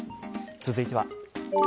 続いては。